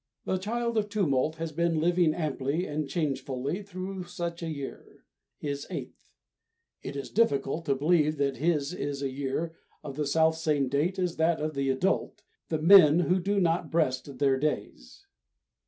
The child of Tumult has been living amply and changefully through such a year his eighth. It is difficult to believe that his is a year of the self same date as that of the adult, the men who do not breast their days.